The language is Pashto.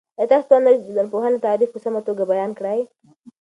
آیا تاسو توان لرئ چې د ټولنپوهنې تعریف په سمه توګه بیان کړئ؟